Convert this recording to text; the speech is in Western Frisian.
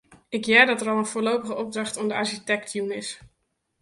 Ik hear dat der al in foarlopige opdracht oan de arsjitekt jûn is.